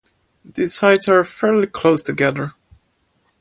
These sites are fairly close together.